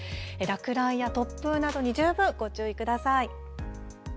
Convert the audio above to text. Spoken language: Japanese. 落雷や突風などに十分ご注意ください。